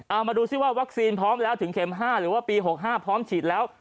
เอามาดูซิว่าวัคซีนพร้อมแล้วถึงเข็ม๕หรือว่าปี๖๕พร้อมฉีดแล้ว